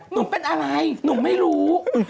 หนุ่มเป็นอะไรหนุ่มไม่รู้